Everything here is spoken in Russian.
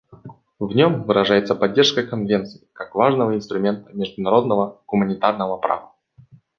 В нем выражается поддержка Конвенции как важного инструмента международного гуманитарного права.